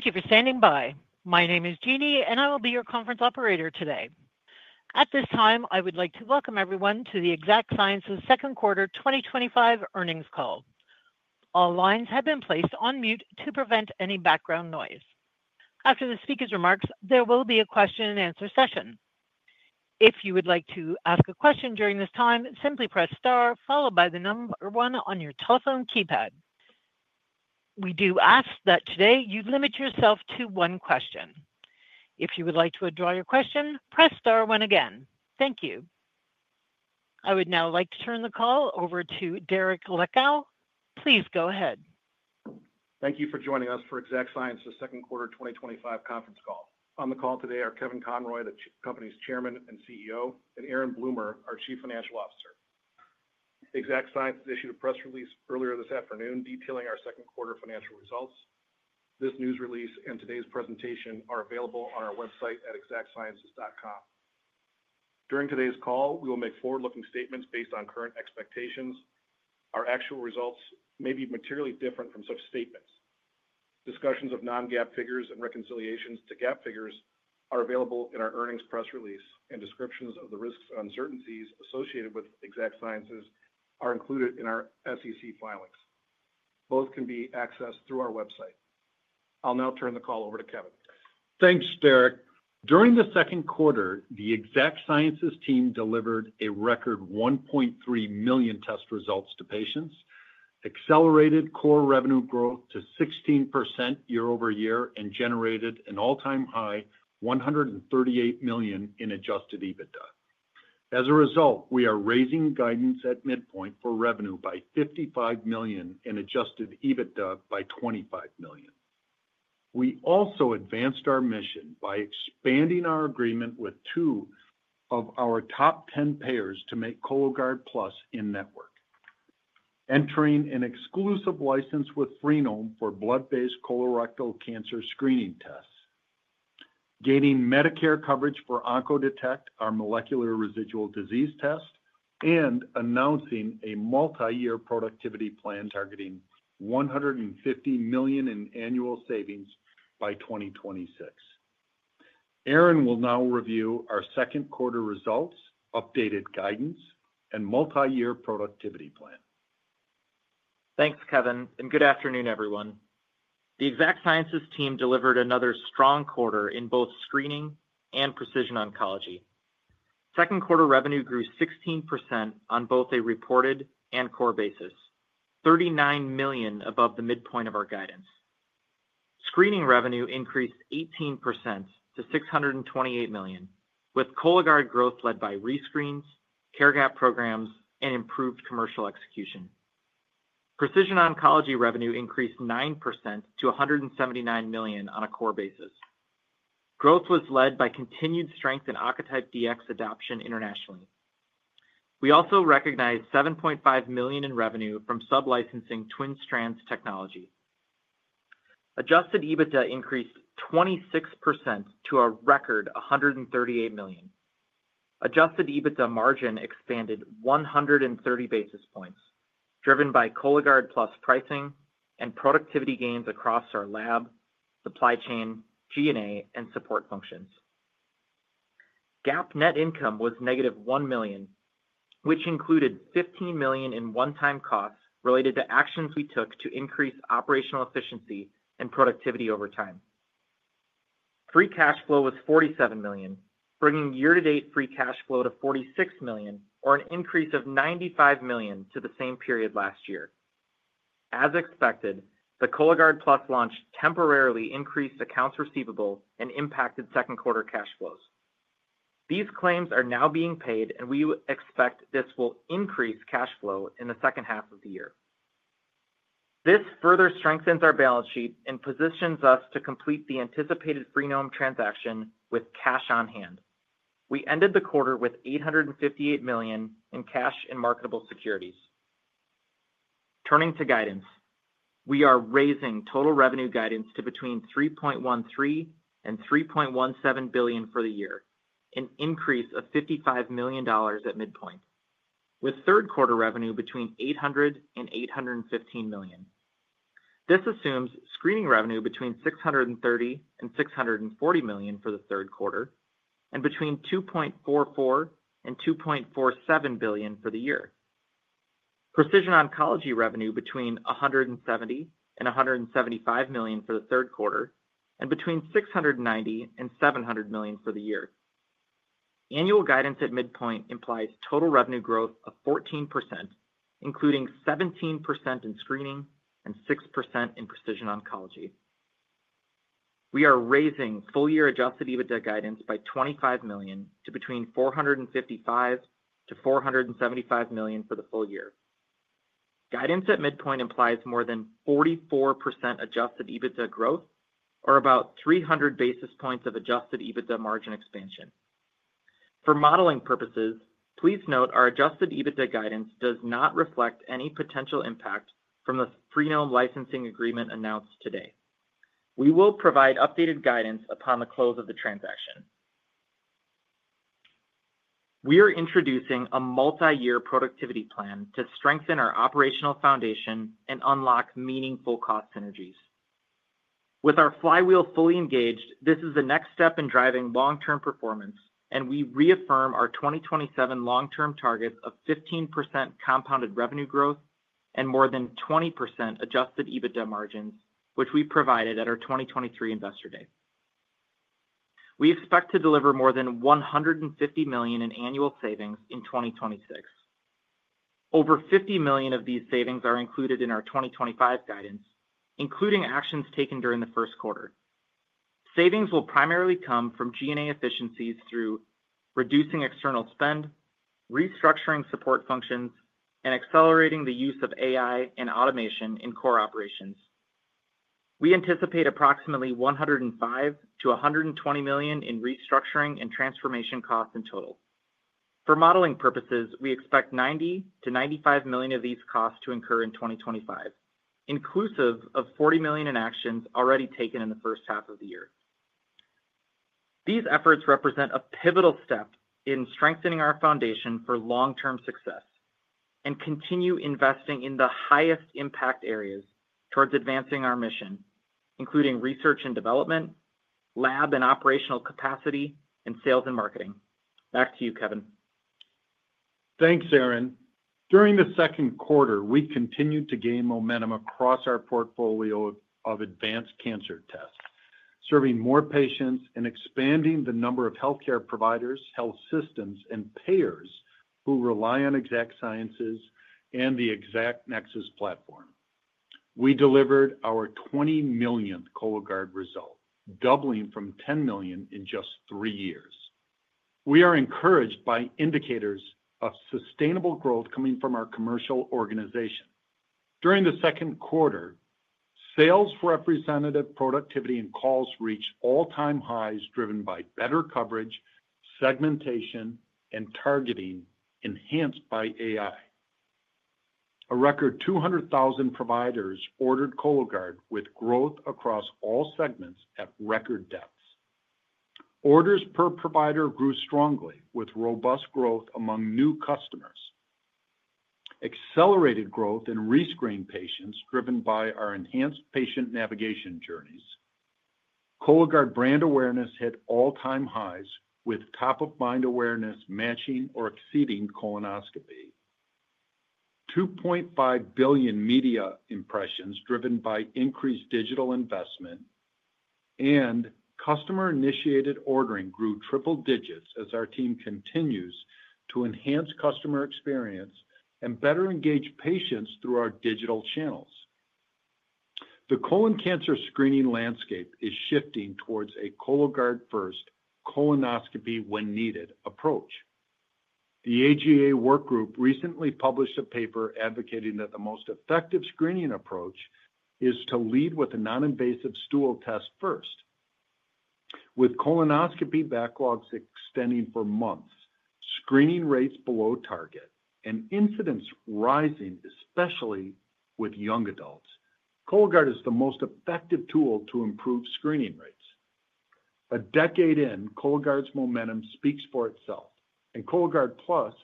Thank you for standing by. My name is Jeannie, and I will be your conference operator today. At this time, I would like to welcome everyone to the Exact Sciences Second Quarter 2025 earnings call. All lines have been placed on mute to prevent any background noise. After the speaker's remarks, there will be a question and answer session. If you would like to ask a question during this time, simply press star followed by the number one on your telephone keypad. We do ask that today you limit yourself to one question. If you would like to withdraw your question, press star one again. Thank you. I would now like to turn the call over to Derek Leckow. Please go ahead. Thank you for joining us for Exact Sciences Second Quarter 2025 conference call. On the call today are Kevin Conroy, the company's Chairman and CEO, and Aaron Bloomer, our Chief Financial Officer. Exact Sciences issued a press release earlier this afternoon detailing our second quarter financial results. This news release and today's presentation are available on our website at exactsciences.com. During today's call, we will make forward-looking statements based on current expectations. Our actual results may be materially different from such statements. Discussions of non-GAAP figures and reconciliations to GAAP figures are available in our earnings press release, and descriptions of the risks and uncertainties associated with Exact Sciences are included in our SEC filings. Both can be accessed through our website. I'll now turn the call over to Kevin. Thanks, Derek. During the second quarter, the Exact Sciences team delivered a record 1.3 million test results to patients, accelerated core revenue growth to 16% year-over-year, and generated an all-time high, $138 million in adjusted EBITDA. As a result, we are raising guidance at midpoint for revenue by $55 million and adjusted EBITDA by $25 million. We also advanced our mission by expanding our agreement with two of our top 10 payers to make Cologuard Plus in network, entering an exclusive license with Freenome for blood-based colorectal cancer screening tests, gaining Medicare coverage for Oncodetect, our molecular residual disease test, and announcing a multi-year productivity plan targeting $150 million in annual savings by 2026. Aaron will now review our second quarter results, updated guidance, and multi-year productivity plan. Thanks, Kevin, and good afternoon, everyone. The Exact Sciences team delivered another strong quarter in both screening and precision oncology. Second quarter revenue grew 16% on both a reported and core basis, $39 million above the midpoint of our guidance. Screening revenue increased 18% to $628 million, with Cologuard growth led by rescreens, CareGap programs, and improved commercial execution. Precision oncology revenue increased 9% to $179 million on a core basis. Growth was led by continued strength in Oncotype DX adoption internationally. We also recognized $7.5 million in revenue from sub-licensing TwinStrands technology. Adjusted EBITDA increased 26% to a record $138 million. Adjusted EBITDA margin expanded 130 basis points, driven by Cologuard Plus pricing and productivity gains across our lab, supply chain, G&A, and support functions. GAAP net income was negative $1 million, which included $15 million in one-time costs related to actions we took to increase operational efficiency and productivity over time. Free cash flow was $47 million, bringing year-to-date free cash flow to $46 million, or an increase of $95 million to the same period last year. As expected, the Cologuard Plus launch temporarily increased accounts receivable and impacted second quarter cash flows. These claims are now being paid, and we expect this will increase cash flow in the second half of the year. This further strengthens our balance sheet and positions us to complete the anticipated Freenome transaction with cash on hand. We ended the quarter with $858 million in cash and marketable securities. Turning to guidance, we are raising total revenue guidance to between $3.13 and $3.17 billion for the year, an increase of $55 million at midpoint, with third quarter revenue between $800 and $815 million. This assumes screening revenue between $630 and $640 million for the third quarter, and between $2.44 and $2.47 billion for the year. Precision oncology revenue between $170 and $175 million for the third quarter, and between $690 and $700 million for the year. Annual guidance at midpoint implies total revenue growth of 14%, including 17% in screening and 6% in precision oncology. We are raising full-year adjusted EBITDA guidance by $25 million to between $455 million-$475 million for the full year. Guidance at midpoint implies more than 44% adjusted EBITDA growth, or about 300 basis points of adjusted EBITDA margin expansion. For modeling purposes, please note our adjusted EBITDA guidance does not reflect any potential impacts from the Freenome licensing agreement announced today. We will provide updated guidance upon the close of the transaction. We are introducing a multi-year productivity plan to strengthen our operational foundation and unlock meaningful cost synergies. With our flywheel fully engaged, this is the next step in driving long-term performance, and we reaffirm our 2027 long-term targets of 15% compounded revenue growth and more than 20% adjusted EBITDA margins, which we provided at our 2023 investor day. We expect to deliver more than $150 million in annual savings in 2026. Over $50 million of these savings are included in our 2025 guidance, including actions taken during the first quarter. Savings will primarily come from G&A efficiencies through reducing external spend, restructuring support functions, and accelerating the use of AI integration and automation in core operations. We anticipate approximately $105-$120 million in restructuring and transformation costs in total. For modeling purposes, we expect $90-$95 million of these costs to incur in 2025, inclusive of $40 million in actions already taken in the first half of the year. These efforts represent a pivotal step in strengthening our foundation for long-term success and continue investing in the highest impact areas towards advancing our mission, including research and development, lab and operational capacity, and sales and marketing. Back to you, Kevin. Thanks, Aaron. During the second quarter, we continued to gain momentum across our portfolio of advanced cancer tests, serving more patients and expanding the number of healthcare providers, health systems, and payers who rely on Exact Sciences and the Exact Nexus platform. We delivered our 20 millionth Cologuard result, doubling from 10 million in just three years. We are encouraged by indicators of sustainable growth coming from our commercial organization. During the second quarter, sales representative productivity and calls reached all-time highs, driven by better coverage, segmentation, and targeting enhanced by AI. A record 200,000 providers ordered Cologuard, with growth across all segments at record depths. Orders per provider grew strongly, with robust growth among new customers. Accelerated growth in rescreen patients was driven by our enhanced patient navigation journeys. Cologuard brand awareness hit all-time highs, with top-of-mind awareness matching or exceeding colonoscopy. 2.5 billion media impressions, driven by increased digital investment, and customer-initiated ordering grew triple digits as our team continues to enhance customer experience and better engage patients through our digital channels. The colon cancer screening landscape is shifting towards a Cologuard-first, colonoscopy-when-needed approach. The AGA workgroup recently published a paper advocating that the most effective screening approach is to lead with a non-invasive stool test first. With colonoscopy backlogs extending for months, screening rates below target, and incidence rising, especially with young adults, Cologuard is the most effective tool to improve screening rates. A decade in, Cologuard's momentum speaks for itself, and Cologuard Plus,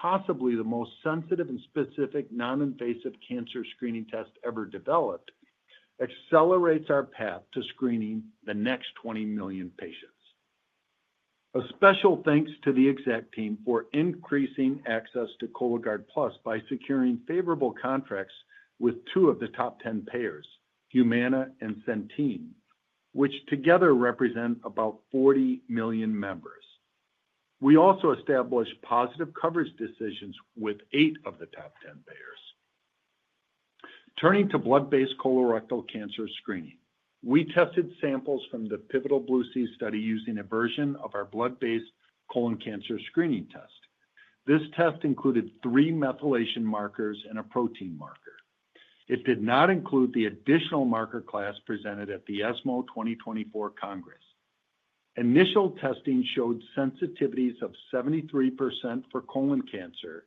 possibly the most sensitive and specific non-invasive cancer screening test ever developed, accelerates our path to screening the next 20 million patients. A special thanks to the Exact team for increasing access to Cologuard Plus by securing favorable contracts with two of the top 10 payers, Humana and Centene, which together represent about 40 million members. We also established positive coverage decisions with eight of the top 10 payers. Turning to blood-based colorectal cancer screening, we tested samples from the Pivotal Blue C study using a version of our blood-based colon cancer screening test. This test included three methylation markers and a protein marker. It did not include the additional marker class presented at the ESMO 2024 Congress. Initial testing showed sensitivities of 73% for colon cancer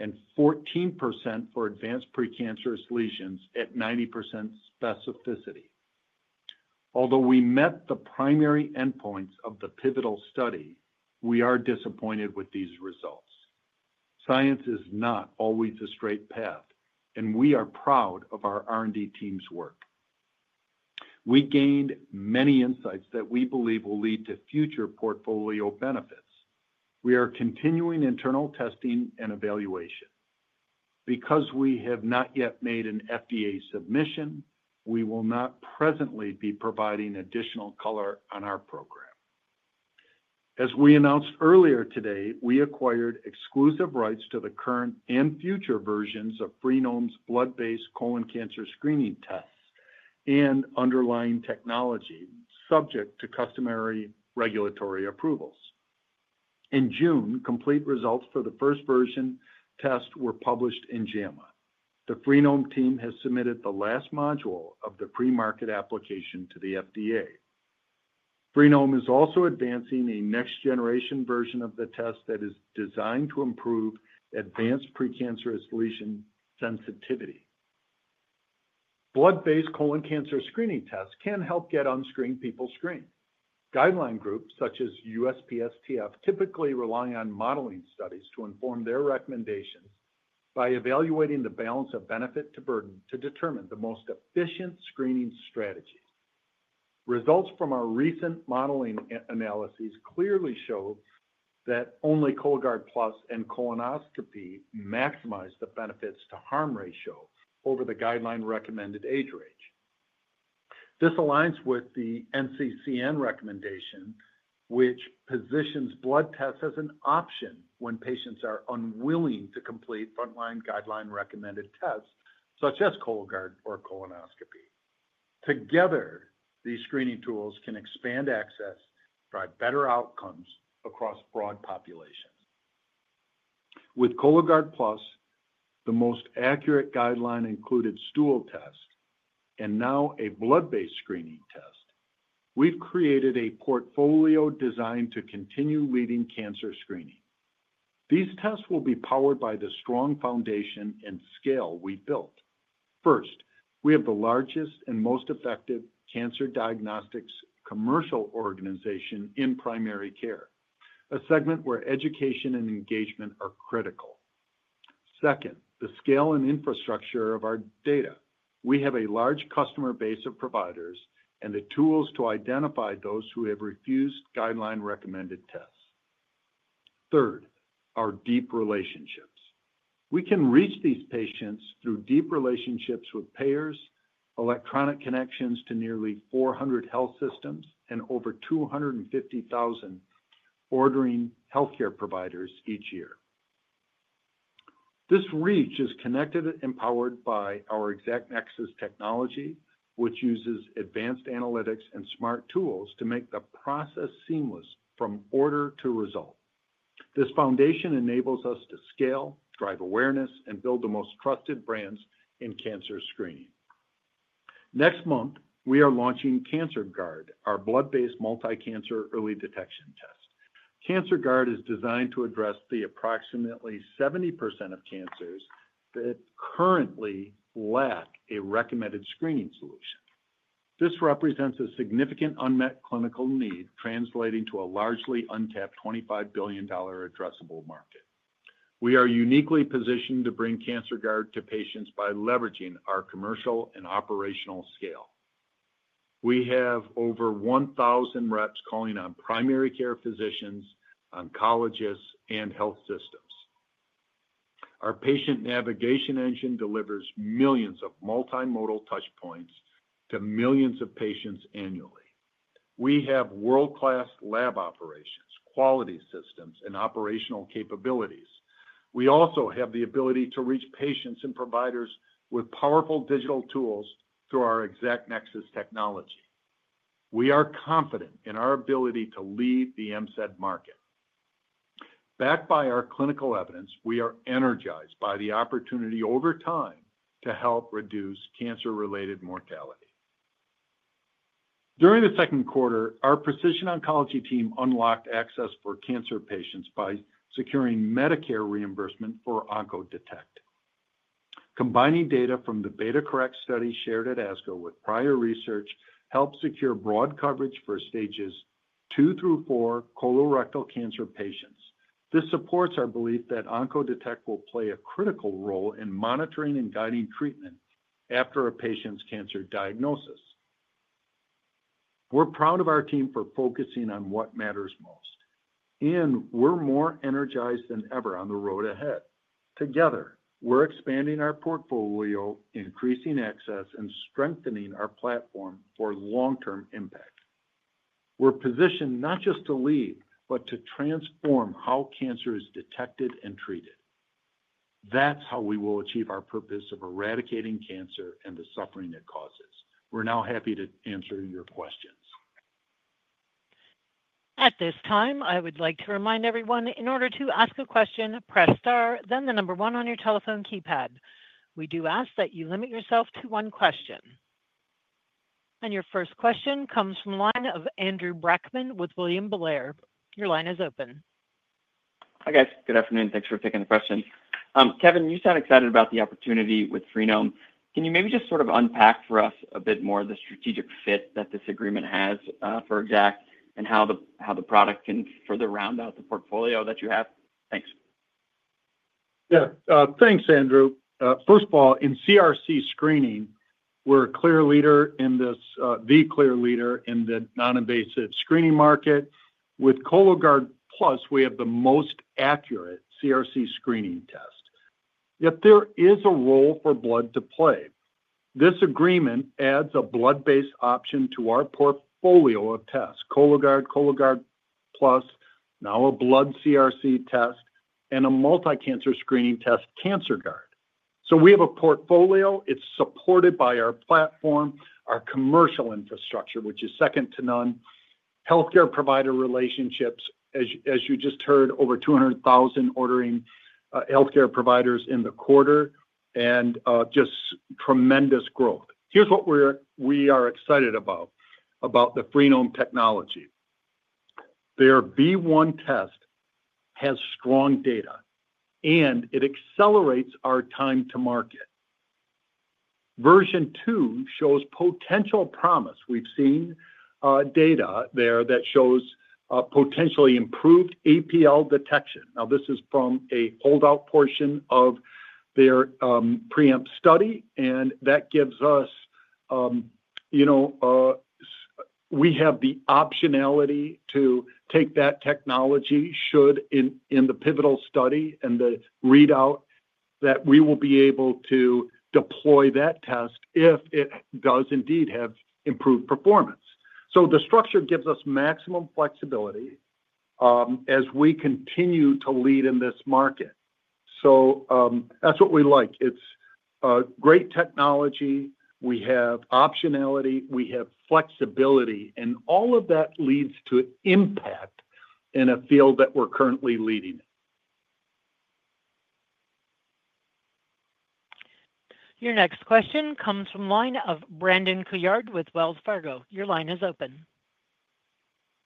and 14% for advanced precancerous lesions at 90% specificity. Although we met the primary endpoints of the pivotal study, we are disappointed with these results. Science is not always a straight path, and we are proud of our R&D team's work. We gained many insights that we believe will lead to future portfolio benefits. We are continuing internal testing and evaluation. Because we have not yet made an FDA submission, we will not presently be providing additional color on our program. As we announced earlier today, we acquired exclusive rights to the current and future versions of Freenome's blood-based colon cancer screening tests and underlying technology subject to customary regulatory approvals. In June, complete results for the first version test were published in JAMA. The Freenome team has submitted the last module of the pre-market application to the FDA. Freenome is also advancing a next-generation version of the test that is designed to improve advanced precancerous lesion sensitivity. Blood-based colon cancer screening tests can help get unscreened people screened. Guideline groups such as USPSTF typically rely on modeling studies to inform their recommendations by evaluating the balance of benefit to burden to determine the most efficient screening strategies. Results from our recent modeling analyses clearly show that only Cologuard Plus and colonoscopy maximize the benefits-to-harm ratio over the guideline recommended age range. This aligns with the NCCN recommendation, which positions blood tests as an option when patients are unwilling to complete frontline guideline recommended tests such as Cologuard or colonoscopy. Together, these screening tools can expand access, drive better outcomes across broad populations. With Cologuard Plus, the most accurate guideline included stool tests and now a blood-based screening test, we've created a portfolio designed to continue leading cancer screening. These tests will be powered by the strong foundation and scale we built. First, we have the largest and most effective cancer diagnostics commercial organization in primary care, a segment where education and engagement are critical. Second, the scale and infrastructure of our data. We have a large customer base of providers and the tools to identify those who have refused guideline recommended tests. Third, our deep relationships. We can reach these patients through deep relationships with payers, electronic connections to nearly 400 health systems, and over 250,000 ordering healthcare providers each year. This reach is connected and powered by our Exact Nexus technology, which uses advanced analytics and smart tools to make the process seamless from order to result. This foundation enables us to scale, drive awareness, and build the most trusted brands in cancer screening. Next month, we are launching CancerGuard, our blood-based multicancer early detection test. CancerGuard is designed to address the approximately 70% of cancers that currently lack a recommended screening solution. This represents a significant unmet clinical need, translating to a largely untapped $25 billion addressable market. We are uniquely positioned to bring CancerGuard to patients by leveraging our commercial and operational scale. We have over 1,000 reps calling on primary care physicians, oncologists, and health systems. Our patient navigation engine delivers millions of multimodal touchpoints to millions of patients annually. We have world-class lab operations, quality systems, and operational capabilities. We also have the ability to reach patients and providers with powerful digital tools through our Exact Nexus technology. We are confident in our ability to lead the MSED market. Backed by our clinical evidence, we are energized by the opportunity over time to help reduce cancer-related mortality. During the second quarter, our precision oncology team unlocked access for cancer patients by securing Medicare reimbursement for Oncodetect. Combining data from the beta-Correct study shared at ASCO with prior research helped secure broad coverage for stages two through four colorectal cancer patients. This supports our belief that Oncodetect will play a critical role in monitoring and guiding treatment after a patient's cancer diagnosis. We're proud of our team for focusing on what matters most, and we're more energized than ever on the road ahead. Together, we're expanding our portfolio, increasing access, and strengthening our platform for long-term impact. We're positioned not just to lead, but to transform how cancer is detected and treated. That's how we will achieve our purpose of eradicating cancer and the suffering it causes. We're now happy to answer your questions. At this time, I would like to remind everyone, in order to ask a question, press star, then the number one on your telephone keypad. We do ask that you limit yourself to one question. Your first question comes from the line of Andrew Brackman with William Blair. Your line is open. Hi, guys. Good afternoon. Thanks for taking the question. Kevin, you sound excited about the opportunity with Freenome. Can you maybe just sort of unpack for us a bit more the strategic fit that this agreement has for Exact Sciences and how the product can further round out the portfolio that you have? Thanks. Yeah. Thanks, Andrew. First of all, in CRC screening, we're a clear leader in this, the clear leader in the non-invasive screening market. With Cologuard Plus, we have the most accurate CRC screening test. Yet there is a role for blood to play. This agreement adds a blood-based option to our portfolio of tests: Cologuard, Cologuard Plus, now a blood CRC test, and a multicancer screening test, CancerGuard. We have a portfolio. It's supported by our platform, our commercial infrastructure, which is second to none, healthcare provider relationships, as you just heard, over 200,000 ordering healthcare providers in the quarter, and just tremendous growth. Here's what we are excited about, about the Freenome technology. Their B1 test has strong data, and it accelerates our time to market. Version two shows potential promise. We've seen data there that shows potentially improved APL detection. This is from a holdout portion of their PREEMPT study, and that gives us, you know, we have the optionality to take that technology should, in the pivotal study and the readout, that we will be able to deploy that test if it does indeed have improved performance. The structure gives us maximum flexibility as we continue to lead in this market. That's what we like. It's great technology. We have optionality. We have flexibility. All of that leads to impact in a field that we're currently leading in. Your next question comes from the line of Brandon Couillard with Wells Fargo. Your line is open.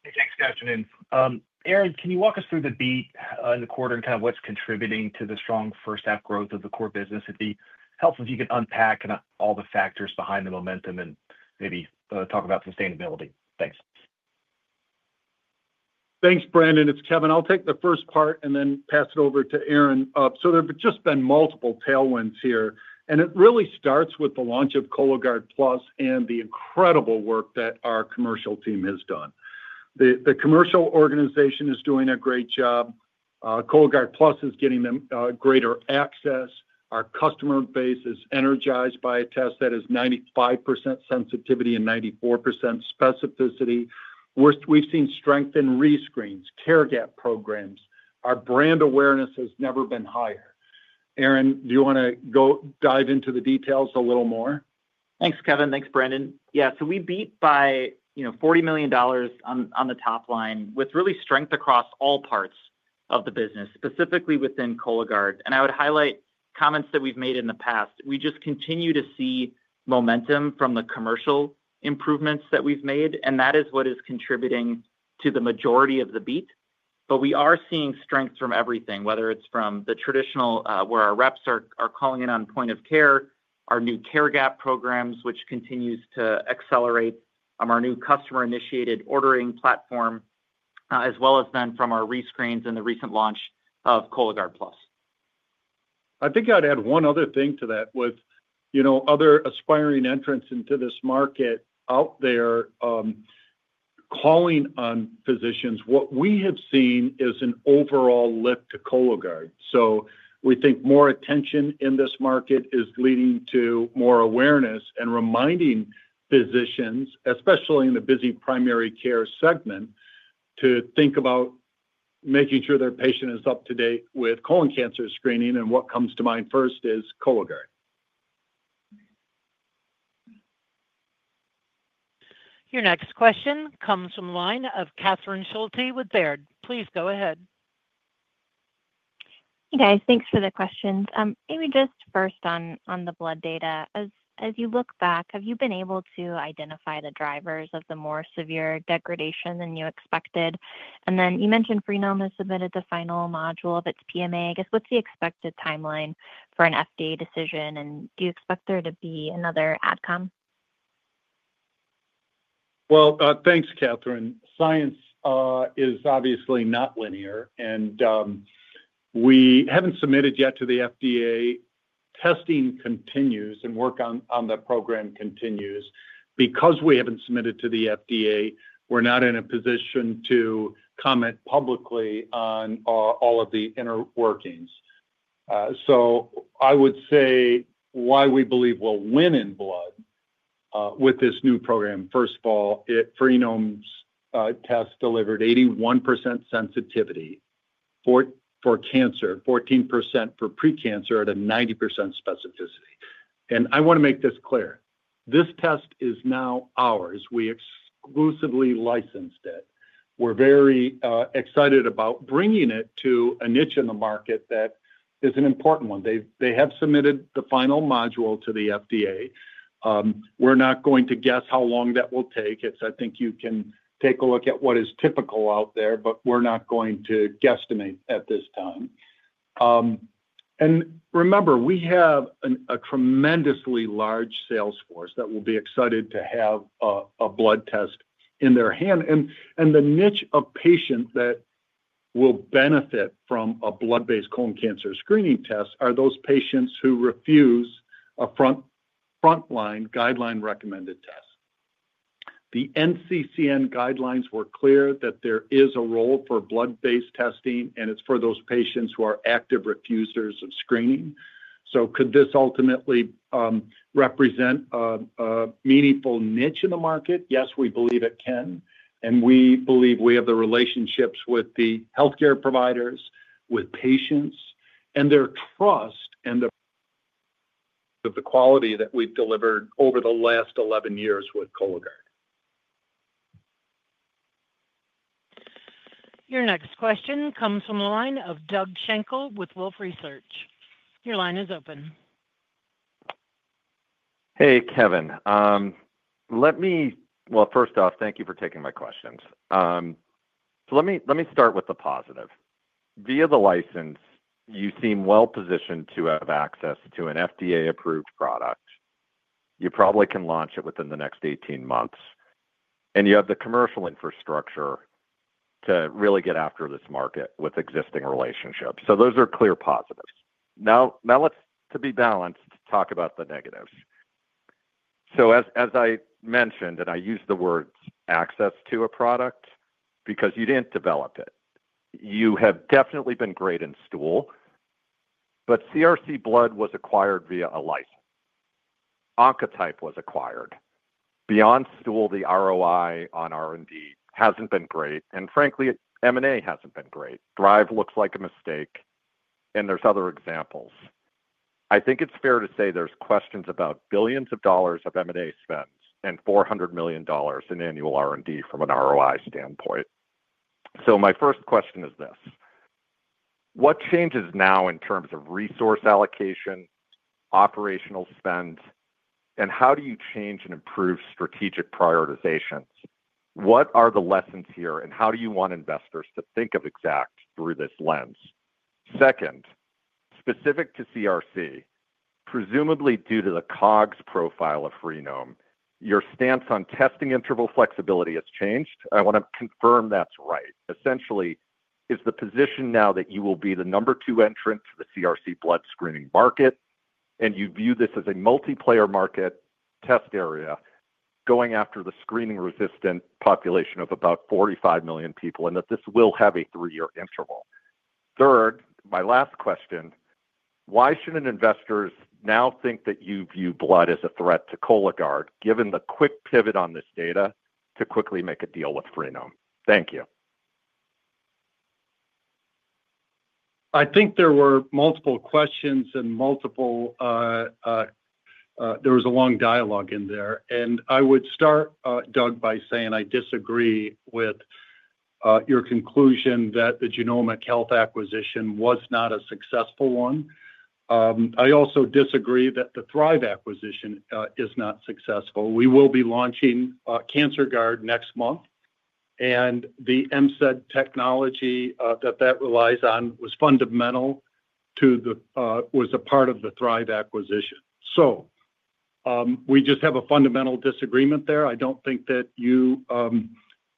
Hey, thanks, Kevin. Aaron, can you walk us through the beat in the quarter and kind of what's contributing to the strong first-half growth of the core business? It'd be helpful if you could unpack all the factors behind the momentum and maybe talk about sustainability. Thanks. Thanks, Brandon. It's Kevin. I'll take the first part and then pass it over to Aaron. There have just been multiple tailwinds here. It really starts with the launch of Cologuard Plus and the incredible work that our commercial team has done. The commercial organization is doing a great job. Cologuard Plus is getting them greater access. Our customer base is energized by a test that is 95% sensitivity and 94% specificity. We've seen strength in rescreens, CareGap programs. Our brand awareness has never been higher. Aaron, do you want to go dive into the details a little more? Thanks, Kevin. Thanks, Brandon. We beat by $40 million on the top line with really strength across all parts of the business, specifically within Cologuard. I would highlight comments that we've made in the past. We just continue to see momentum from the commercial improvements that we've made, and that is what is contributing to the majority of the beat. We are seeing strength from everything, whether it's from the traditional, where our reps are calling in on point of care, our new CareGap programs, which continues to accelerate, our new customer-initiated ordering platform, as well as from our rescreens and the recent launch of Cologuard Plus. I think I'd add one other thing to that with other aspiring entrants into this market out there calling on physicians. What we have seen is an overall lift to Cologuard. We think more attention in this market is leading to more awareness and reminding physicians, especially in the busy primary care segment, to think about making sure their patient is up to date with colon cancer screening, and what comes to mind first is Cologuard. Your next question comes from the line of Catherine Schulte with Baird. Please go ahead. Hey, guys. Thanks for the questions. Maybe just first on the blood data. As you look back, have you been able to identify the drivers of the more severe degradation than you expected? You mentioned Freenome has submitted the final module of its PMA. What is the expected timeline for an FDA decision, and do you expect there to be another adcom? Well thank you, Catherine. Science is obviously not linear, and we have not submitted yet to the FDA. Testing continues, and work on the program continues. Because we have not submitted to the FDA, we are not in a position to comment publicly on all of the inner workings. I would say why we believe we will win in blood with this new program. First of all, Freenome's test delivered 81% sensitivity for cancer, 14% for precancer at a 90% specificity. I want to make this clear. This test is now ours. We exclusively licensed it. We are very excited about bringing it to a niche in the market that is an important one. They have submitted the final module to the FDA. We are not going to guess how long that will take. I think you can take a look at what is typical out there, but we are not going to guesstimate at this time. Remember, we have a tremendously large salesforce that will be excited to have a blood test in their hand. The niche of patients that will benefit from a blood-based colon cancer screening test are those patients who refuse a frontline guideline recommended test. The NCCN guidelines were clear that there is a role for blood-based testing, and it is for those patients who are active refusers of screening. Could this ultimately represent a meaningful niche in the market? Yes, we believe it can. We believe we have the relationships with the healthcare providers, with patients, and their trust in the quality that we have delivered over the last 11 years with Cologuard. Your next question comes from the line of Doug Schenkel with Wolfe Research. Your line is open. Hey, Kevin. First off, thank you for taking my questions. Let me start with the positive. Via the license, you seem well positioned to have access to an FDA-approved product. You probably can launch it within the next 18 months. You have the commercial infrastructure to really get after this market with existing relationships. Those are clear positives. Now, to be balanced, let's talk about the negatives. As I mentioned, and I use the words access to a product because you didn't develop it. You have definitely been great in stool, but CRC blood was acquired via a license. Oncotype was acquired. Beyond stool, the ROI on R&D hasn't been great, and frankly, M&A hasn't been great. Thrive Earlier Detection looks like a mistake, and there's other examples. I think it's fair to say there's questions about billions of dollars of M&A spend and $400 million in annual R&D from an ROI standpoint. My first question is this: what changes now in terms of resource allocation, operational spend, and how do you change and improve strategic prioritizations? What are the lessons here, and how do you want investors to think of Exact Sciences through this lens? Second, specific to CRC, presumably due to the COGS profile of Freenome, your stance on testing interval flexibility has changed. I want to confirm that's right. Essentially, is the position now that you will be the number two entrant to the CRC blood screening market, and you view this as a multiplayer market test area going after the screening-resistant population of about 45 million people, and that this will have a three-year interval? Third, my last question: why shouldn't investors now think that you view blood as a threat to Cologuard, given the quick pivot on this data to quickly make a deal with Freenome? Thank you. I think there were multiple questions, and there was a long dialogue in there. I would start, Doug, by saying I disagree with your conclusion that the Genomic Health acquisition was not a successful one. I also disagree that the Thrive Earlier Detection acquisition is not successful. We will be launching CancerGuard next month, and the MSED technology that that relies on was fundamental to the, was a part of the Thrive Earlier Detection acquisition. We just have a fundamental disagreement there. I don't think that you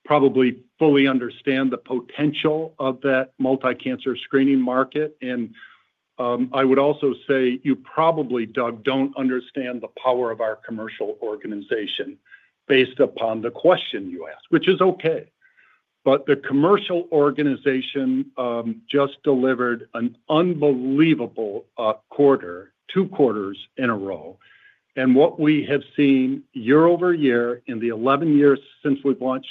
probably fully understand the potential of that multicancer screening market. I would also say you probably, Doug, don't understand the power of our commercial organization based upon the question you asked, which is okay. The commercial organization just delivered an unbelievable quarter, two quarters in a row. What we have seen year over-year in the 11 years since we've launched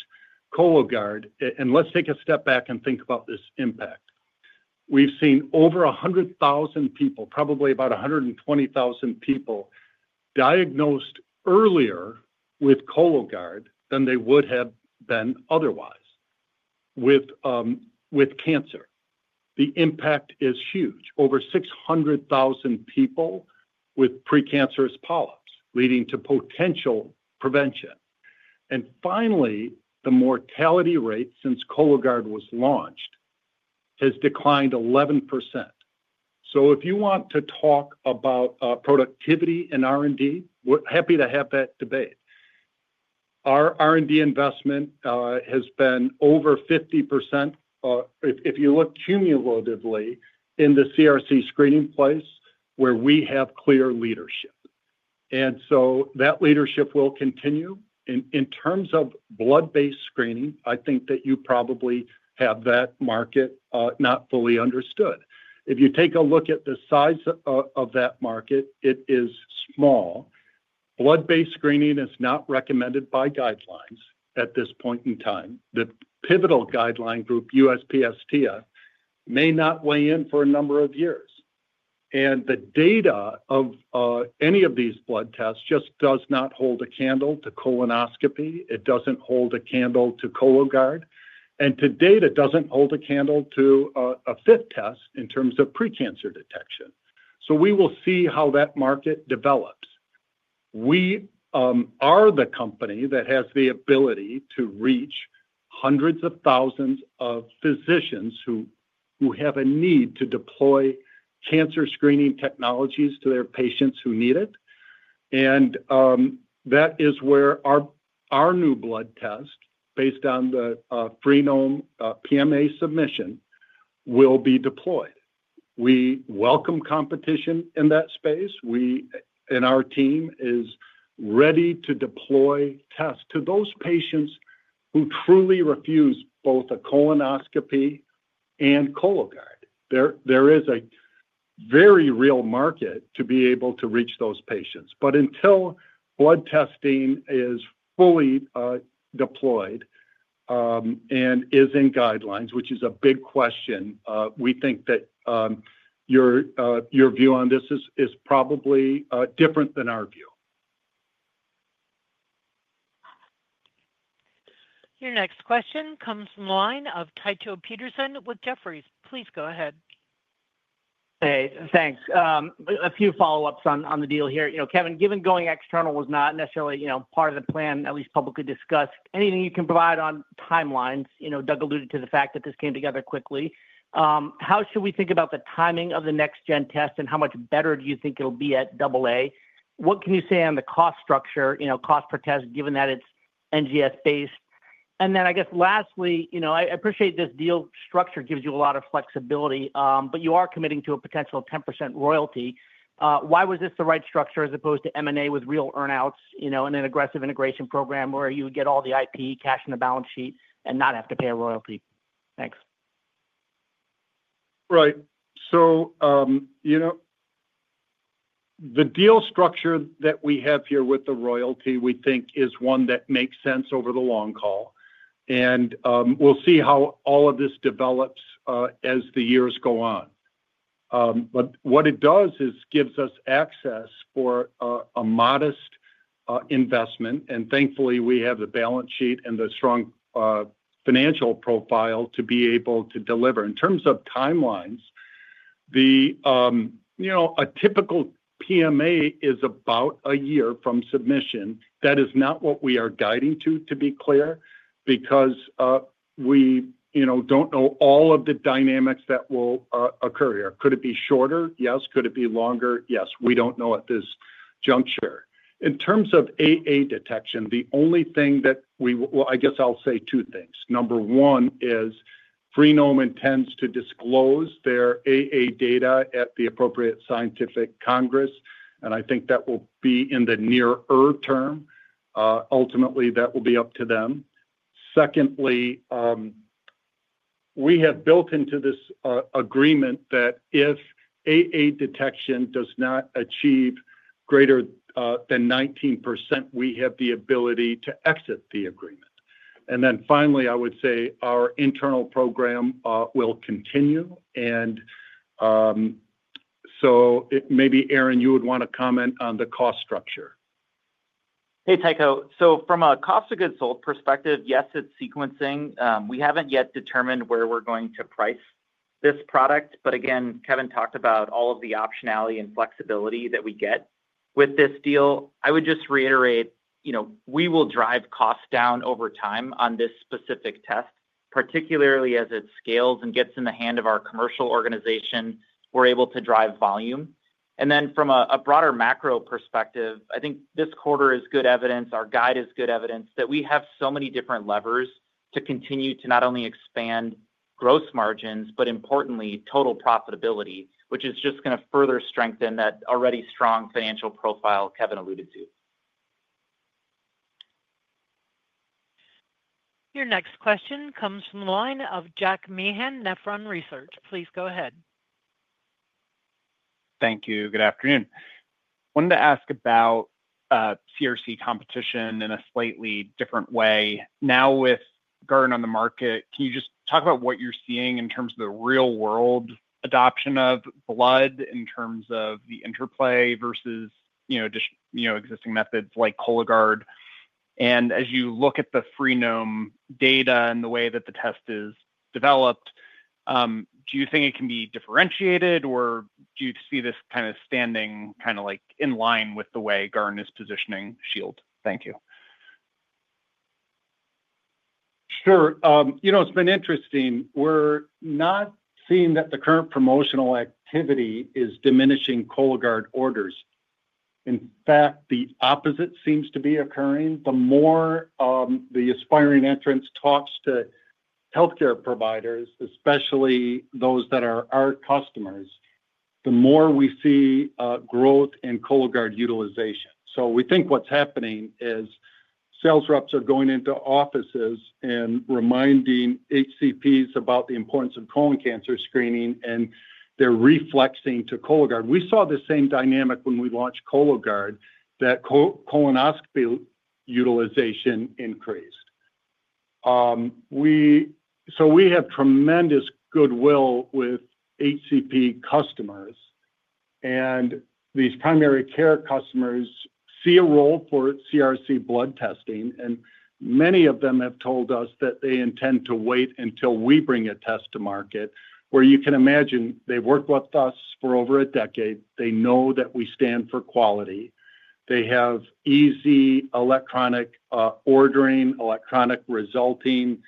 Cologuard, and let's take a step back and think about this impact. We've seen over 100,000 people, probably about 120,000 people diagnosed earlier with Cologuard than they would have been otherwise with cancer. The impact is huge. Over 600,000 people with precancerous polyps leading to potential prevention. Finally, the mortality rate since Cologuard was launched has declined 11%. If you want to talk about productivity and R&D, we're happy to have that debate. Our R&D investment has been over 50% if you look cumulatively in the CRC screening place where we have clear leadership, and that leadership will continue. In terms of blood-based screening, I think that you probably have that market not fully understood. If you take a look at the size of that market, it is small. Blood-based screening is not recommended by guidelines at this point in time. The pivotal guideline group, USPSTF, may not weigh in for a number of years. The data of any of these blood tests just does not hold a candle to colonoscopy. It doesn't hold a candle to Cologuard. To date, it doesn't hold a candle to a FIT test in terms of precancer detection. We will see how that market develops. We are the company that has the ability to reach hundreds of thousands of physicians who have a need to deploy cancer screening technologies to their patients who need it. That is where our new blood test based on the Freenome PMA submission will be deployed. We welcome competition in that space. We, and our team, are ready to deploy tests to those patients who truly refuse both a colonoscopy and Cologuard. There is a very real market to be able to reach those patients. Until blood testing is fully deployed and is in guidelines, which is a big question, we think that your view on this is probably different than our view. Your next question comes from the line of Tycho Peterson with Jefferies. Please go ahead. Hey, thanks. A few follow-ups on the deal here. Kevin, given going external was not necessarily part of the plan, at least publicly discussed, anything you can provide on timelines? Doug alluded to the fact that this came together quickly. How should we think about the timing of the next-gen test, and how much better do you think it'll be at AA? What can you say on the cost structure, cost per test, given that it's NGS-based? Lastly, I appreciate this deal structure gives you a lot of flexibility, but you are committing to a potential 10% royalty. Why was this the right structure as opposed to M&A with real earnouts and an aggressive integration program where you would get all the IP, cash in the balance sheet, and not have to pay a royalty? Thanks. Right. The deal structure that we have here with the royalty, we think, is one that makes sense over the long haul. We'll see how all of this develops as the years go on. What it does is gives us access for a modest investment. Thankfully, we have the balance sheet and the strong financial profile to be able to deliver. In terms of timelines, a typical PMA is about a year from submission. That is not what we are guiding to, to be clear, because we don't know all of the dynamics that will occur here. Could it be shorter? Yes. Could it be longer? Yes. We don't know at this juncture. In terms of AA detection, the only thing that we, I guess I'll say two things. Number one is Freenome intends to disclose their AA data at the appropriate scientific congress, and I think that will be in the nearer term. Ultimately, that will be up to them. Secondly, we have built into this agreement that if AA detection does not achieve greater than 19%, we have the ability to exit the agreement. Finally, I would say our internal program will continue. Maybe, Aaron, you would want to comment on the cost structure. Hey, Tycho. From a cost-to-goods-sold perspective, yes, it's sequencing. We haven't yet determined where we're going to price this product. But again Kevin talked about all of the optionality and flexibility that we get with this deal. I would just reiterate, we will drive costs down over time on this specific test, particularly as it scales and gets in the hand of our commercial organization, we're able to drive volume. From a broader macro perspective, I think this quarter is good evidence, our guide is good evidence that we have so many different levers to continue to not only expand gross margins, but importantly, total profitability, which is just going to further strengthen that already strong financial profile Kevin alluded to. Your next question comes from the line of Jack Meehan, Nephron Research. Please go ahead. Thank you. Good afternoon. I wanted to ask about CRC competition in a slightly different way. Now with blood on the market, can you just talk about what you're seeing in terms of the real-world adoption of blood in terms of the interplay versus, you know, existing methods like Cologuard? As you look at the Freenome data and the way that the test is developed, do you think it can be differentiated, or do you see this kind of standing kind of like in line with the way Guardant is positioning Shield? Thank you. Sure. It's been interesting. We're not seeing that the current promotional activity is diminishing Cologuard orders. In fact, the opposite seems to be occurring. The more the aspiring entrants talk to healthcare providers, especially those that are our customers, the more we see growth in Cologuard utilization. We think what's happening is sales reps are going into offices and reminding HCPs about the importance of colon cancer screening, and they're reflexing to Cologuard. We saw the same dynamic when we launched Cologuard that colonoscopy utilization increased. We have tremendous goodwill with HCP customers. These primary care customers see a role for CRC blood testing, and many of them have told us that they intend to wait until we bring a test to market, where you can imagine they've worked with us for over a decade. They know that we stand for quality. They have easy electronic ordering, electronic resulting,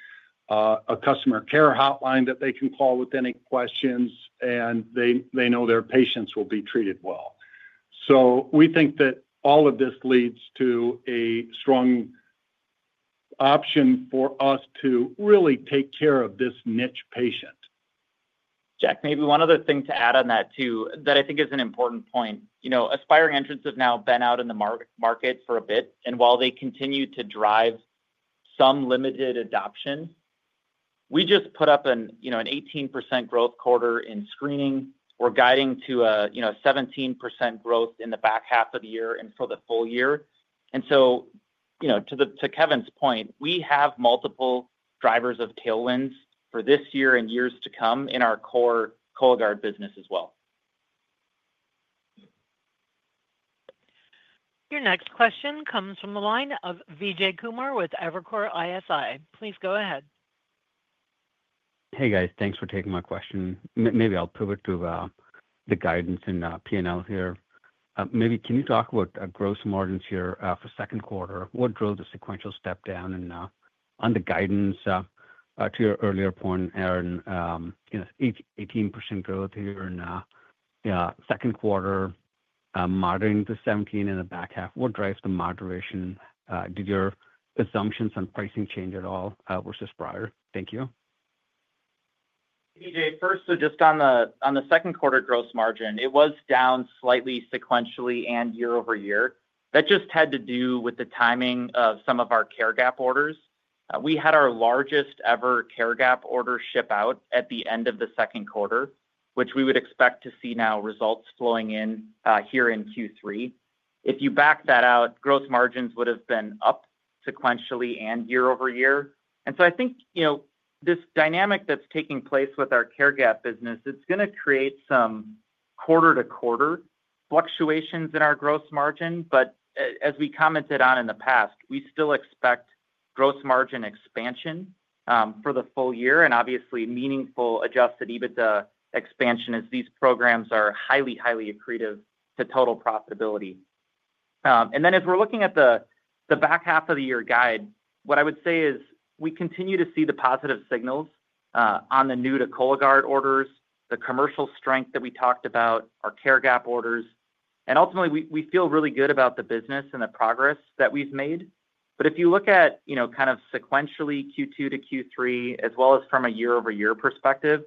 a customer care hotline that they can call with any questions, and they know their patients will be treated well. We think that all of this leads to a strong option for us to really take care of this niche patient. Jack, maybe one other thing to add on that too, that I think is an important point. You know, aspiring entrants have now been out in the market for a bit, and while they continue to drive some limited adoption, we just put up an 18% growth quarter in screening. We're guiding to a 17% growth in the back half of the year and for the full year. To Kevin's point, we have multiple drivers of tailwinds for this year and years to come in our core Cologuard business as well. Your next question comes from the line of Vijay Kumar with Evercore ISI. Please go ahead. Hey, guys. Thanks for taking my question. Maybe I'll pivot to the guidance in P&L here. Maybe can you talk about gross margins here for the second quarter? What drove the sequential step down and on the guidance to your earlier point, Aaron? You know, 18% growth here in the second quarter, moderating to 17% in the back half. What drives the moderation? Did your assumptions on pricing change at all versus prior? Thank you. Hey, Jay. First, just on the second quarter gross margin, it was down slightly sequentially and year over year. That just had to do with the timing of some of our CareGap orders. We had our largest ever CareGap order ship out at the end of the second quarter, which we would expect to see now results flowing in here in Q3. If you back that out, gross margins would have been up sequentially and year over year. I think this dynamic that's taking place with our CareGap business is going to create some quarter-to-quarter fluctuations in our gross margin. As we commented on in the past, we still expect gross margin expansion for the full year, and obviously meaningful adjusted EBITDA expansion as these programs are highly, highly accretive to total profitability. As we're looking at the back half of the year guide, what I would say is we continue to see the positive signals on the new to Cologuard orders, the commercial strength that we talked about, our CareGap orders. Ultimately, we feel really good about the business and the progress that we've made. But if you look at, kind of sequentially Q2 to Q3, as well as from a year-over-year perspective,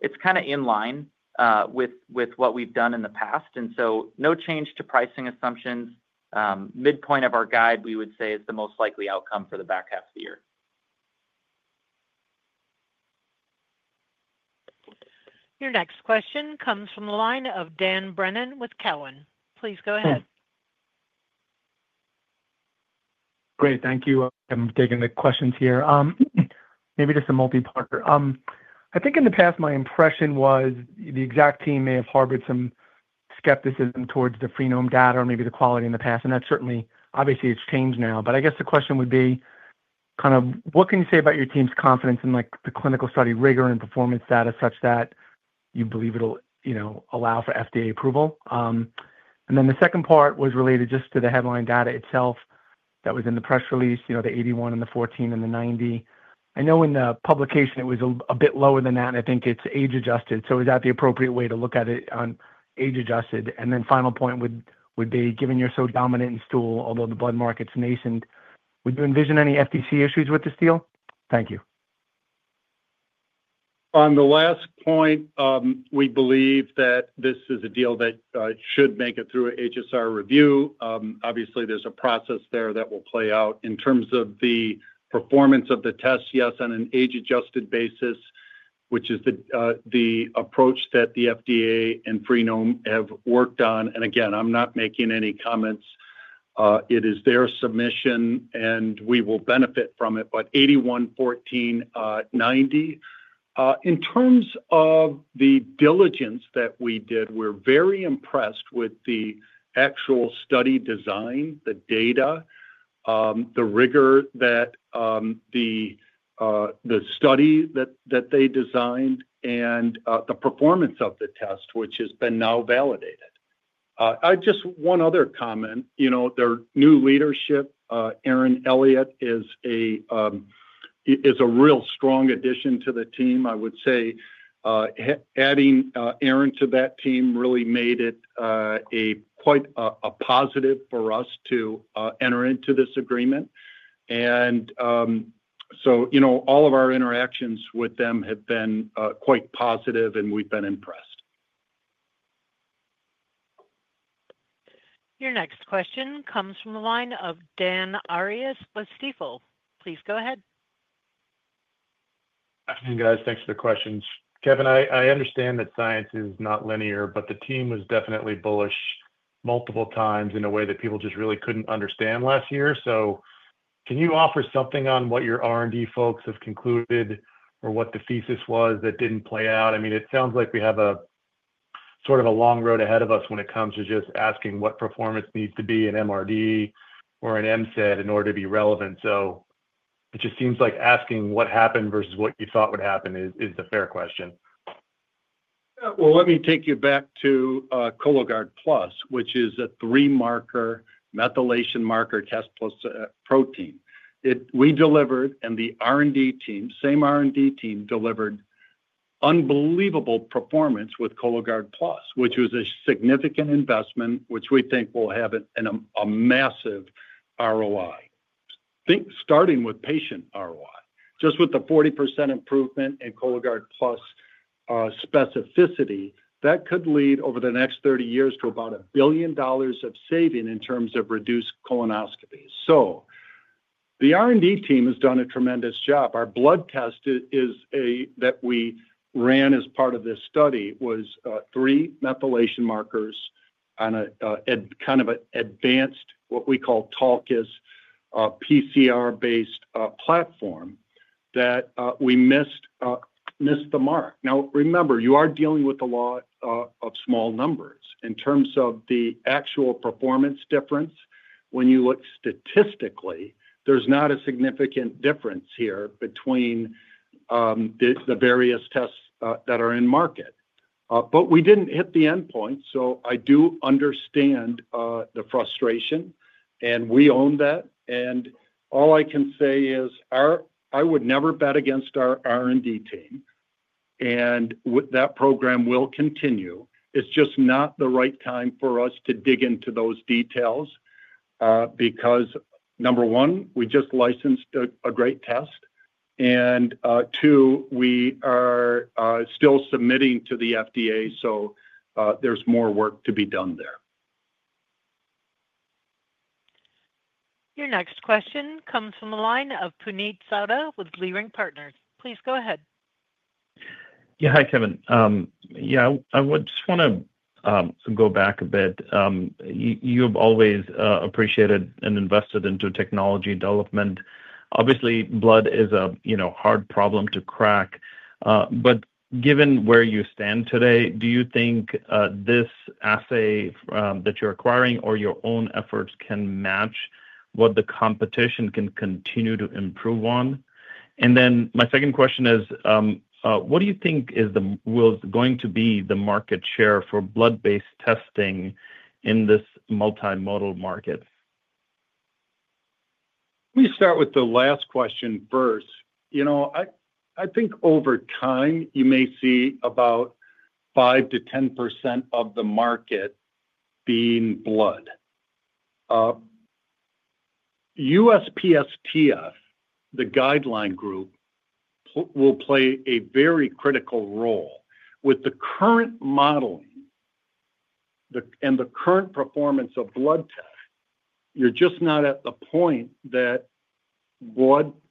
it's kind of in line with what we've done in the past. No change to pricing assumptions. Midpoint of our guide, we would say, is the most likely outcome for the back half of the year. Your next question comes from the line of Dan Brennan with Cowen. Please go ahead. Great. Thank you. I'm taking the questions here. Maybe just a multi-partner. I think in the past, my impression was the Exact team may have harbored some skepticism towards the Freenome data or maybe the quality in the past. That's certainly, obviously, it's changed now. I guess the question would be kind of what can you say about your team's confidence in the clinical study rigor and performance data such that you believe it'll allow for FDA approval? The second part was related just to the headline data itself that was in the press release, the 81 and the 14 and the 90. I know in the publication, it was a bit lower than that, and I think it's age-adjusted. Is that the appropriate way to look at it on age-adjusted? Final point would be, given you're so dominant in stool, although the blood market's nascent, would you envision any FDC issues with this deal? Thank you. On the last point, we believe that this is a deal that should make it through an HSR review. Obviously, there's a process there that will play out. In terms of the performance of the test, yes, on an age-adjusted basis, which is the approach that the FDA and Freenome have worked on. I'm not making any comments. It is their submission, and we will benefit from it. 81, 14, 90. In terms of the diligence that we did, we're very impressed with the actual study design, the data, the rigor that the study that they designed, and the performance of the test, which has been now validated. One other comment, their new leadership, Aaron Elliott, is a real strong addition to the team. I would say adding Aaron to that team really made it quite a positive for us to enter into this agreement. So all of our interactions with them have been quite positive, and we've been impressed. Your next question comes from the line of Dan Arias with Stifel. Please go ahead. Good afternoon, guys. Thanks for the questions. Kevin, I understand that science is not linear, but the team was definitely bullish multiple times in a way that people just really couldn't understand last year. Can you offer something on what your R&D folks have concluded or what the thesis was that didn't play out? It sounds like we have a sort of a long road ahead of us when it comes to just asking what performance needs to be in MRD or in MSED in order to be relevant. It just seems like asking what happened versus what you thought would happen is the fair question. Let me take you back to Cologuard Plus, which is a three-marker methylation marker test plus protein. We delivered, and the R&D team, same R&D team, delivered unbelievable performance with Cologuard Plus, which was a significant investment, which we think will have a massive ROI. I think starting with patient ROI, just with the 40% improvement in Cologuard Plus specificity, that could lead over the next 30 years to about $1 billion of saving in terms of reduced colonoscopies. The R&D team has done a tremendous job. Our blood test that we ran as part of this study was three methylation markers on a kind of an advanced, what we call TALKIS, PCR-based platform that we missed the mark. Remember, you are dealing with the law of small numbers. In terms of the actual performance difference, when you look statistically, there's not a significant difference here between the various tests that are in market. We didn't hit the endpoint, so I do understand the frustration, and we own that. All I can say is I would never bet against our R&D team, and that program will continue. It's just not the right time for us to dig into those details because, number one, we just licensed a great test, and two, we are still submitting to the FDA, so there's more work to be done there. Your next question comes from the line of Puneet Suda with Blue Ring Partners. Please go ahead. Hi, Kevin. I would just want to go back a bit. You have always appreciated and invested in technology development. Obviously, blood is a hard problem to crack. Given where you stand today, do you think this assay that you're acquiring or your own efforts can match what the competition can continue to improve on? My second question is, what do you think is going to be the market share for blood-based testing in this multimodal market? Let me start with the last question first. I think over time, you may see about 5% to 10% of the market being blood. USPSTF, the guideline group, will play a very critical role. With the current modeling and the current performance of blood tests, you're just not at the point that